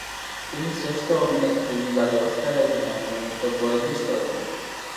তিনি শ্রেষ্ঠ অভিনেত্রী বিভাগে অস্কারের জন্য মনোনীত বয়োজ্যেষ্ঠ অভিনেত্রী।